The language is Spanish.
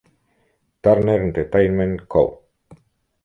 Turner Entertainment Co.